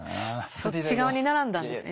そっち側に並んだんですね